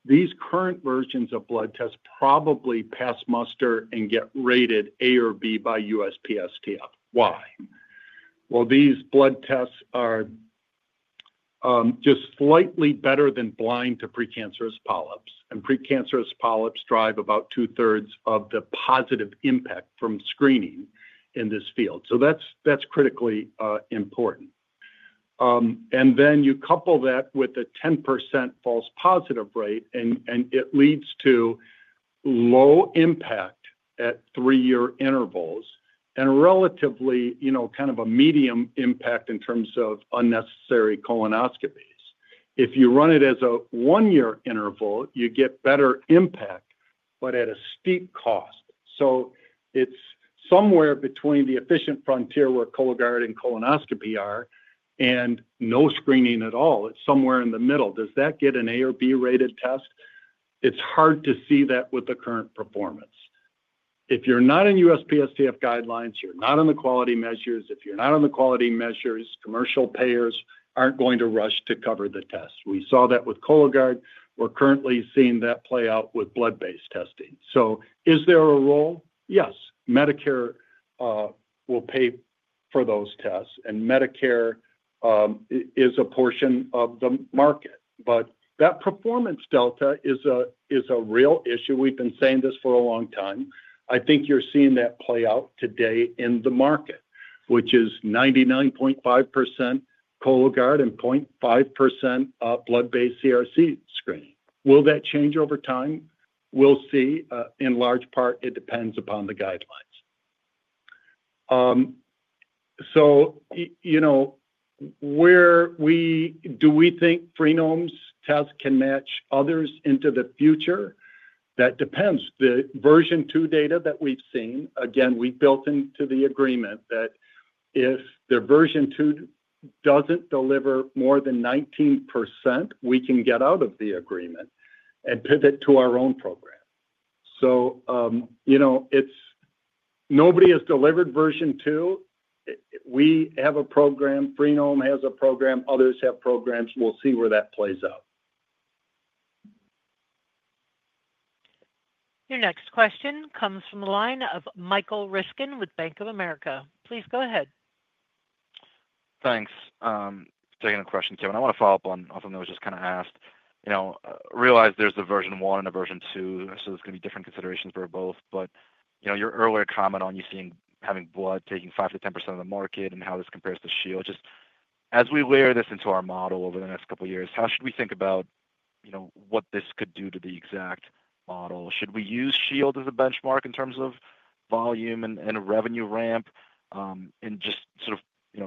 these current versions of blood tests probably pass muster and get rated A or B by USPSTF. Why? These blood tests are just slightly better than blind to precancerous polyps. Precancerous polyps drive about two-thirds of the positive impact from screening in this field. That's critically important. You couple that with a 10% false positive rate, and it leads to low impact at three-year intervals and a relatively, you know, kind of a medium impact in terms of unnecessary colonoscopies. If you run it as a one-year interval, you get better impact, but at a steep cost. It's somewhere between the efficient frontier where Cologuard and colonoscopy are and no screening at all. It's somewhere in the middle. Does that get an A or B rated test? It's hard to see that with the current performance. If you're not in USPSTF guidelines, you're not on the quality measures. If you're not on the quality measures, commercial payers aren't going to rush to cover the test. We saw that with Cologuard. We're currently seeing that play out with blood-based testing. Is there a role? Yes. Medicare will pay for those tests, and Medicare is a portion of the market. That performance delta is a real issue. We've been saying this for a long time. I think you're seeing that play out today in the market, which is 99.5% Cologuard and 0.5% blood-based CRC screening. Will that change over time? We'll see. In large part, it depends upon the guidelines. Where do we think Freenome's test can match others into the future? That depends. The version two data that we've seen, again, we've built into the agreement that if the version two doesn't deliver more than 19%, we can get out of the agreement and pivot to our own program. Nobody has delivered version two. We have a program. Freenome has a program. Others have programs. We'll see where that plays out. Your next question comes from the line of Michael Riskin with Bank of America. Please go ahead. Thanks. Second question, Kevin. I want to follow up on something that was just kind of asked. I realize there's a version one and a version two, so there's going to be different considerations for both. Your earlier comment on you seeing having blood taking 5%-10% of the market and how this compares to Shield, just as we layer this into our model over the next couple of years, how should we think about what this could do to the Exact Sciences model? Should we use SHIELD as a benchmark in terms of volume and revenue ramp?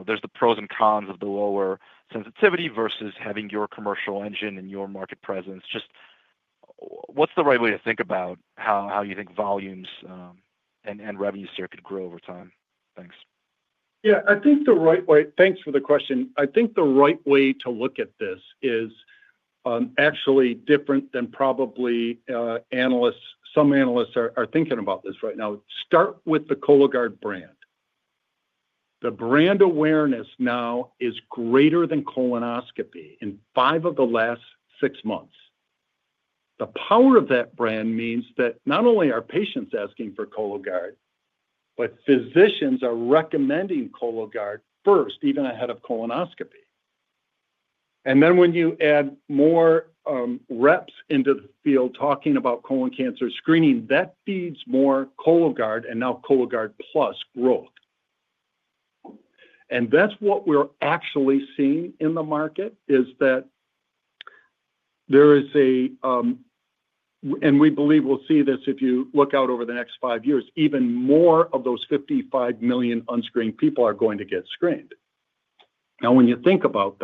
There's the pros and cons of the lower sensitivity versus having your commercial engine and your market presence. What's the right way to think about how you think volumes and revenue share could grow over time? Thanks. Yeah. I think the right way, thanks for the question. I think the right way to look at this is actually different than probably some analysts are thinking about this right now. Start with the Cologuard brand. The brand awareness now is greater than colonoscopy in five of the last six months. The power of that brand means that not only are patients asking for Cologuard, but physicians are recommending Cologuard first, even ahead of colonoscopy. When you add more reps into the field talking about colon cancer screening, that feeds more Cologuard and now Cologuard Plus growth. That's what we're actually seeing in the market is that there is a, and we believe we'll see this if you look out over the next five years, even more of those 55 million unscreened people are going to get screened. Now, when you think about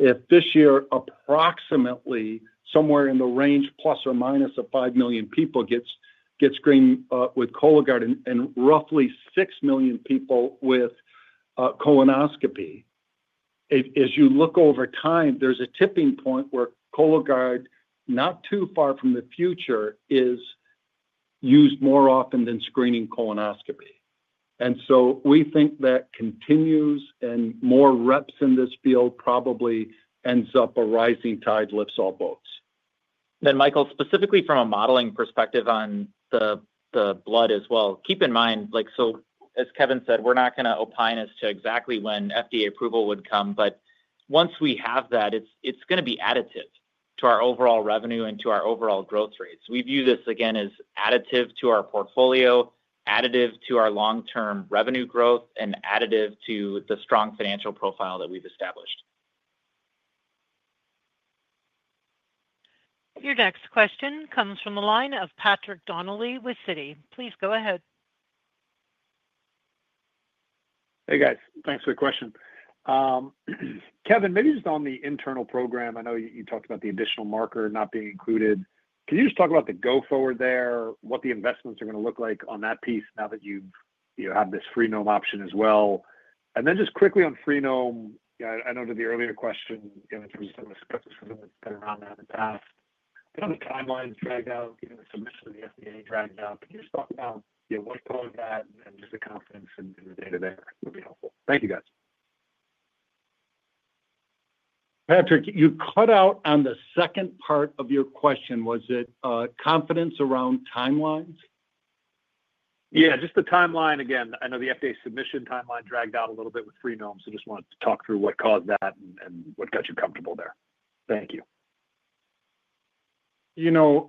that, if this year approximately somewhere in the range plus or minus of 5 million people get screened with Cologuard and roughly 6 million people with colonoscopy, as you look over time, there's a tipping point where Cologuard, not too far from the future, is used more often than screening colonoscopy. We think that continues, and more reps in this field probably end up a rising tide lifts all boats. Michael, specifically from a modeling perspective on the blood as well, keep in mind, like Kevin said, we're not going to opine as to exactly when FDA approval would come, but once we have that, it's going to be additive to our overall revenue and to our overall growth rates. We view this as additive to our portfolio, additive to our long-term revenue growth, and additive to the strong financial profile that we've established. Your next question comes from the line of Patrick Donnelly with J.P. Morgan. Please go ahead. Hey, guys. Thanks for the question. Kevin, maybe just on the internal program, I know you talked about the additional marker not being included. Can you just talk about the go-forward there, what the investments are going to look like on that piece now that you have this Freenome option as well? And then just quickly on Freenome, I know to the earlier question, you know, it's been around now in the past. Kind of the timeline has dragged out, given the submissions to the FDA dragged out. Can you just talk about what Cologuard and just the confidence in the data there would be helpful? Thank you, guys. Patrick, you cut out on the second part of your question. Was it confidence around timelines? Yeah, just the timeline. Again, I know the FDA submission timeline dragged out a little bit with Freenome, so I just wanted to talk through what caused that and what got you comfortable there. Thank you.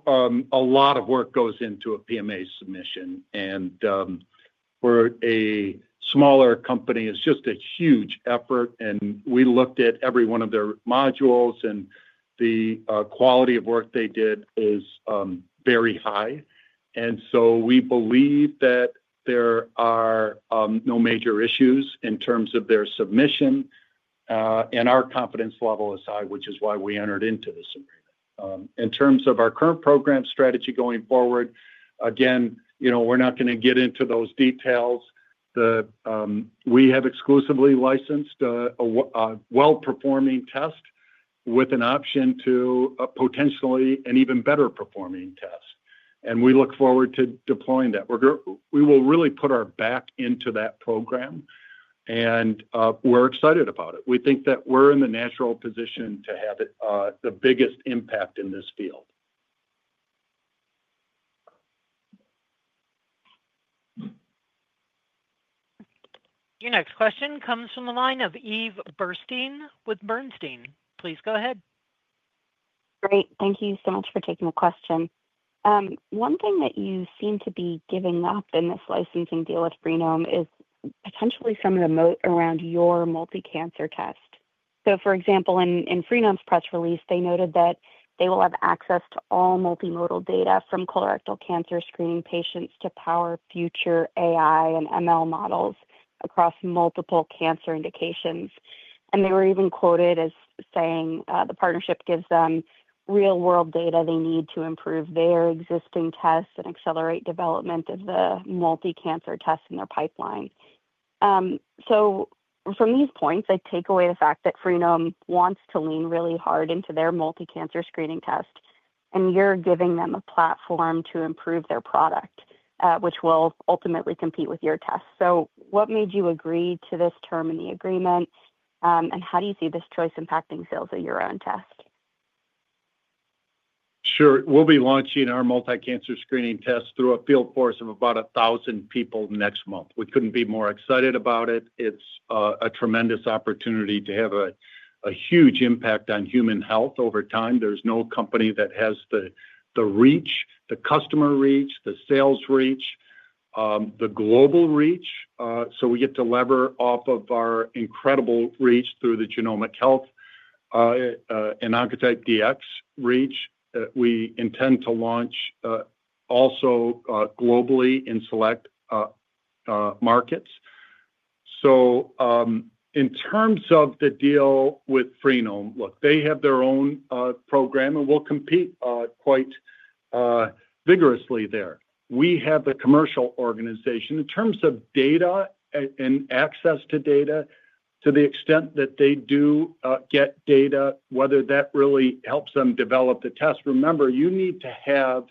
A lot of work goes into a PMA submission, and we're a smaller company. It's just a huge effort, and we looked at every one of their modules, and the quality of work they did is very high. We believe that there are no major issues in terms of their submission, and our confidence level is high, which is why we entered into this agreement. In terms of our current program strategy going forward, we're not going to get into those details. We have exclusively licensed a well-performing test with an option to potentially an even better performing test, and we look forward to deploying that. We will really put our back into that program, and we're excited about it. We think that we're in the natural position to have the biggest impact in this field. Your next question comes from the line of Eve Burstein with Bernstein. Please go ahead. Great. Thank you so much for taking the question. One thing that you seem to be giving up in this licensing deal with Freenome is potentially some of the moat around your multicancer test. For example, in Freenome's press release, they noted that they will have access to all multimodal data from colorectal cancer screening patients to power future AI and ML models across multiple cancer indications. They were even quoted as saying the partnership gives them real-world data they need to improve their existing tests and accelerate development of the multicancer tests in their pipeline. From these points, I take away the fact that Freenome wants to lean really hard into their multicancer screening test, and you're giving them a platform to improve their product, which will ultimately compete with your test. What made you agree to this term in the agreement, and how do you see this choice impacting sales of your own test? Sure. We'll be launching our multicancer screening test through a field course of about 1,000 people next month. We couldn't be more excited about it. It's a tremendous opportunity to have a huge impact on human health over time. There's no company that has the reach, the customer reach, the sales reach, the global reach. We get to lever off of our incredible reach through the Genomic Health and Oncotype DX reach. We intend to launch also globally in select markets. In terms of the deal with Freenome, look, they have their own program, and we'll compete quite vigorously there. We have the commercial organization. In terms of data and access to data, to the extent that they do get data, whether that really helps them develop the test, remember, you need to have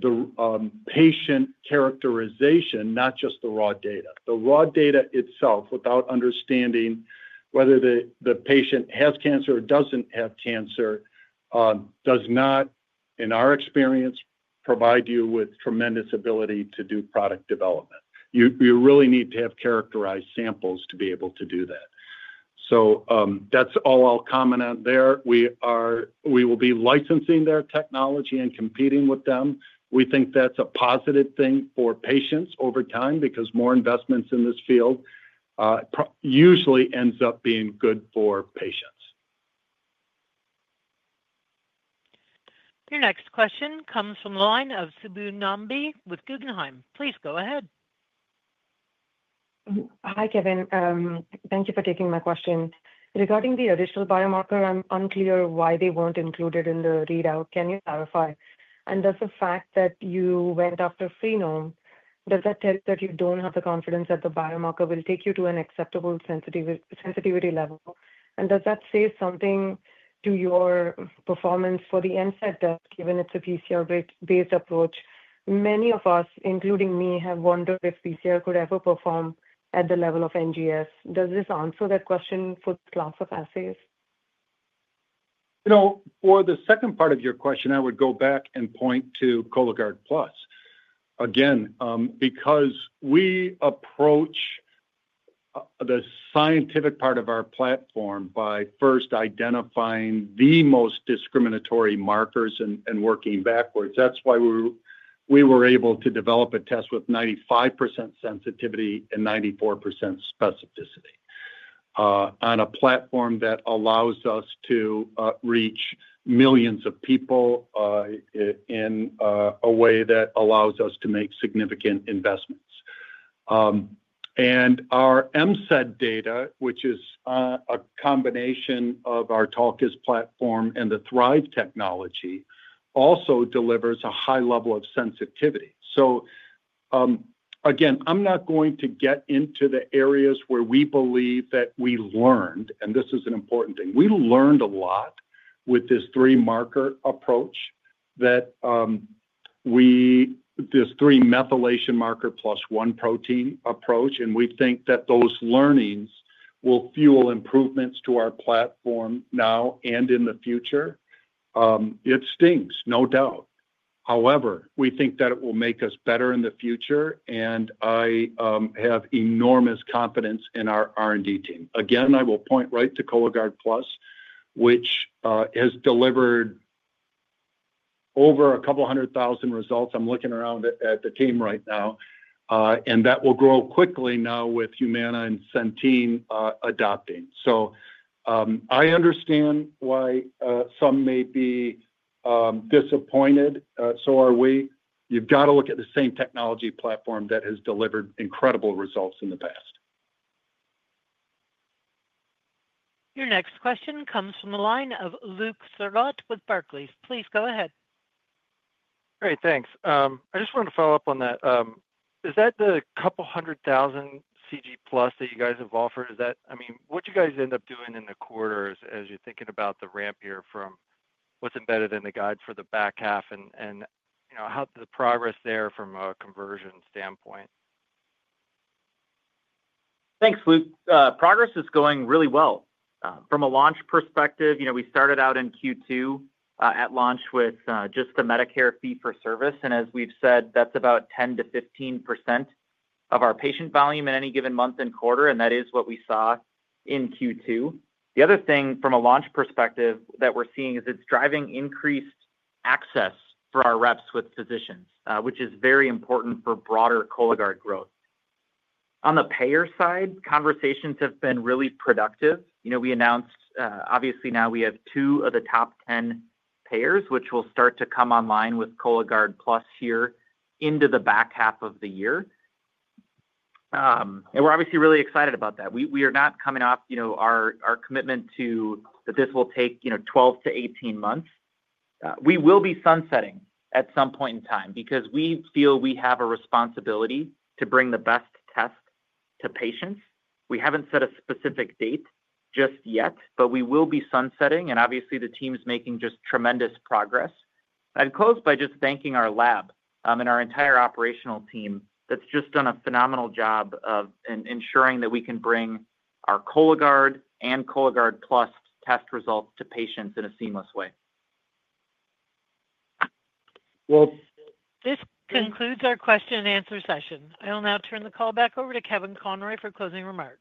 the patient characterization, not just the raw data. The raw data itself, without understanding whether the patient has cancer or doesn't have cancer, does not, in our experience, provide you with tremendous ability to do product development. You really need to have characterized samples to be able to do that. That's all I'll comment on there. We will be licensing their technology and competing with them. We think that's a positive thing for patients over time because more investments in this field usually end up being good for patients. Your next question comes from the line of Subbu Nambi with Guggenheim. Please go ahead. Hi, Kevin. Thank you for taking my question. Regarding the additional biomarker, I'm unclear why they weren't included in the readout. Can you clarify? Does the fact that you went after Freenome tell you that you don't have the confidence that the biomarker will take you to an acceptable sensitivity level? Does that say something to your performance for the MSED test, given it's a PCR-based approach? Many of us, including me, have wondered if PCR could ever perform at the level of NGS. Does this answer that question for the class of assays? For the second part of your question, I would go back and point to Cologuard Plus. Again, because we approach the scientific part of our platform by first identifying the most discriminatory markers and working backwards. That's why we were able to develop a test with 95% sensitivity and 94% specificity on a platform that allows us to reach millions of people in a way that allows us to make significant investments. Our MSED data, which is a combination of our TALKIS platform and the Thrive Earlier Detection technology, also delivers a high level of sensitivity. I'm not going to get into the areas where we believe that we learned, and this is an important thing. We learned a lot with this three-marker approach, this three-methylation marker plus one protein approach, and we think that those learnings will fuel improvements to our platform now and in the future. It stings, no doubt. However, we think that it will make us better in the future, and I have enormous confidence in our R&D team. Again, I will point right to Cologuard Plus, which has delivered over a couple hundred thousand results. I'm looking around at the team right now, and that will grow quickly now with Humana and Centene adopting. I understand why some may be disappointed. So are we. You have got to look at the same technology platform that has delivered incredible results in the past. Your next question comes from the line of Luke Thurrott with Barclays. Please go ahead. Great. Thanks. I just wanted to follow up on that. Is that the couple hundred thousand Cologuard Plus that you guys have offered? Is that, I mean, what did you guys end up doing in the quarter as you're thinking about the ramp here from what's embedded in the guide for the back half, and you know, how's the progress there from a conversion standpoint? Thanks, Luke. Progress is going really well. From a launch perspective, we started out in Q2 at launch with just the Medicare fee-for-service. As we've said, that's about 10%-15% of our patient volume in any given month and quarter, and that is what we saw in Q2. The other thing from a launch perspective that we're seeing is it's driving increased access for our reps with physicians, which is very important for broader Cologuard growth. On the payer side, conversations have been really productive. We announced, obviously, now we have two of the top 10 payers, which will start to come online with Cologuard Plus here into the back half of the year. We're obviously really excited about that. We are not coming off our commitment to that this will take 12-18 months. We will be sunsetting at some point in time because we feel we have a responsibility to bring the best test to patients. We haven't set a specific date just yet, but we will be sunsetting, and obviously, the team's making just tremendous progress. I'd close by just thanking our lab and our entire operational team that's just done a phenomenal job of ensuring that we can bring our Cologuard and Cologuard Plus test results to patients in a seamless way. This concludes our question and answer session. I will now turn the call back over to Kevin Conroy for closing remarks.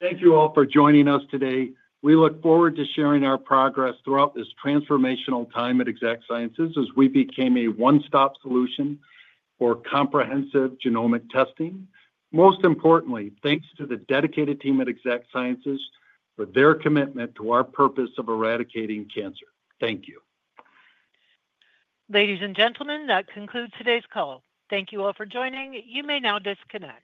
Thank you all for joining us today. We look forward to sharing our progress throughout this transformational time at Exact Sciences as we became a one-stop solution for comprehensive genomic testing. Most importantly, thanks to the dedicated team at Exact Sciences for their commitment to our purpose of eradicating cancer. Thank you. Ladies and gentlemen, that concludes today's call. Thank you all for joining. You may now disconnect.